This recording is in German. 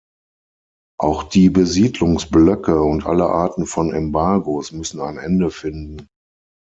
Auch die Besiedlungsblöcke und alle Arten von Embargos müssen ein Ende finden.